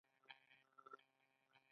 د تربوز لپاره کومه ځمکه ښه ده؟